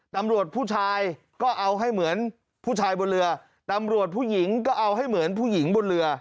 ตำรวจผู้ชายก็เอาให้เหมือนผู้ชายบนเรือตำรวจผู้หญิงก็เอาให้เหมือนผู้หญิงบนเรือ